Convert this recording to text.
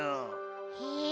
へえ。